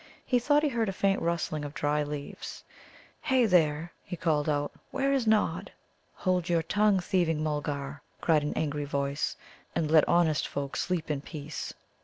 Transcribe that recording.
He thought he heard a faint rustling of dry leaves. "Hey, there!" he called out. "Where is Nod?" "Hold your tongue, thieving Mulgar," cried an angry voice, "and let honest folk sleep in peace."